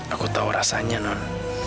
aku tahu rasanya non